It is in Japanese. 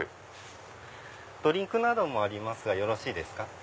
ドリンクなどもありますがよろしいですか？